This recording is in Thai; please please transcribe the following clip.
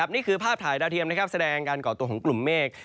นี่คือภาพถ่ายดาวเทียมแสดงการก่อตัวของกลุ่มเมฆ